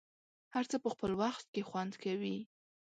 هر څه په خپل وخت کې خوند کوي.